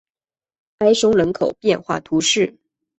埃松人口变化图示